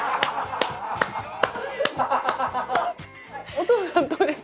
お父さんどうです？